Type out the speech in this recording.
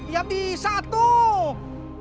ya bisa atuh